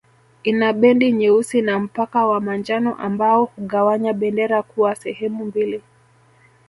Ina bendi nyeusi na mpaka wa manjano ambao hugawanya bendera kuwa sehemu mbili